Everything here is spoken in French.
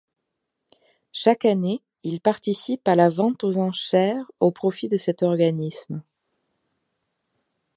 Chaque année, il participe à la vente aux enchères au profit de cet organisme.